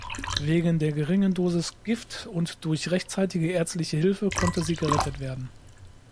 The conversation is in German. Wegen der geringen Dosis Gift und durch rechtzeitige ärztliche Hilfe konnte sie gerettet werden.